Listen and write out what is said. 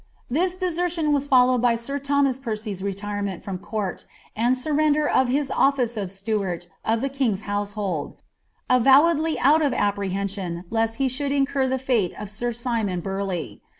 This desertion wm followed by sir Thomas Percy's retirement from court, and surrender of his office (if steward of the king's hoiisehuld, avowedly out of apprehension lest hr should incur the fate of sir Simon Burley.